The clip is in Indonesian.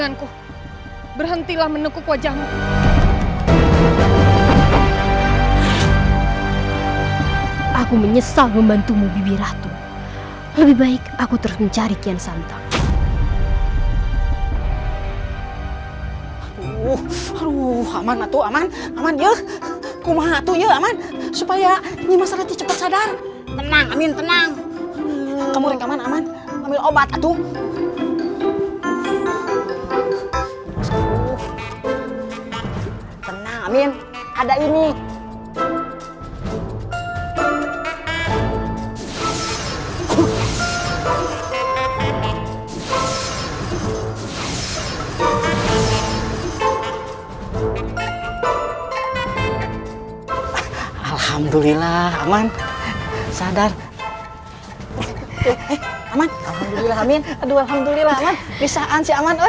aduh alhamdulillah aman bisaan sih aman